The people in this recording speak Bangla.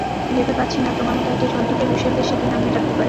ভেবে পাচ্ছি না, তোমার মত একটা জন্তুকে রুসের দেশে কী নামে ডাকতে পারে।